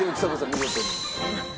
見事に。